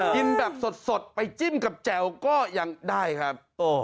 กินแบบสดไปจิ้มกับแจ่วก็ยังได้ครับ